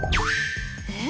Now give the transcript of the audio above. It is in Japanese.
えっ！